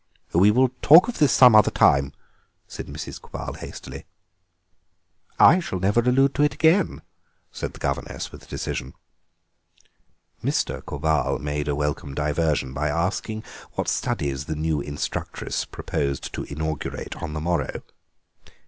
"We will talk of this some other time," said Mrs. Quabarl hastily. "I shall never allude to it again," said the governess with decision. Mr. Quabarl made a welcome diversion by asking what studies the new instructress proposed to inaugurate on the morrow.